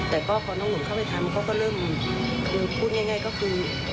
แต่ก็พอน้องหนุนเข้าไปทำเขาก็เริ่มคือพูดง่ายก็คือ